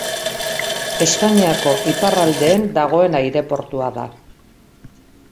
Espainiako iparraldeen dagoen aireportua da.